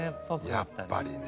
やっぱりね。